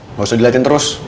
nggak usah diliatin terus